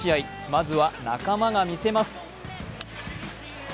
まずは、仲間が見せます。